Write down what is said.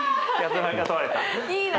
いいな。